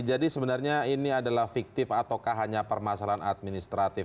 jadi sebenarnya ini adalah fiktif ataukah hanya permasalahan administratif